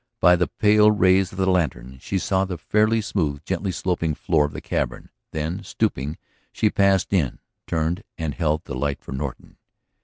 By the pale rays of the lantern she saw the fairly smooth, gently sloping floor of the cavern; then, stooping, she passed in, turned, and held the light for Norton.